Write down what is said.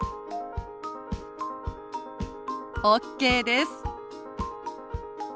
ＯＫです。